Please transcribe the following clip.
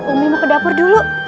umi mau ke dapur dulu